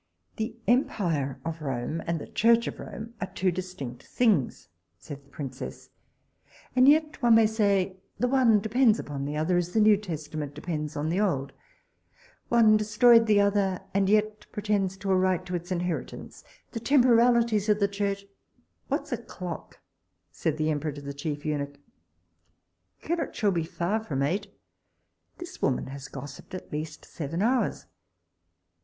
The empire of Rome, and the church of Rome, are two distinct things, said the princess; and yet, as one may say, the one depends upon the other, as the new testament does on the old. One destroyed the other, and yet pretends a right to its inheritance. The temporalities of the church What's o'clock, said the emperor to the chief eunuch? it cannot sure be far from eight this woman has gossipped at least seven hours.